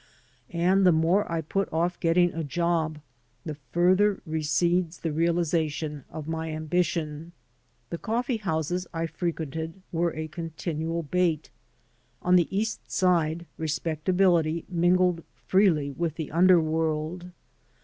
And the more I put off getting a job the farther recedes the realization of my ambition." The coffee houses I frequented were a continual bait. On the East Side respectability mingled freely with the underworld.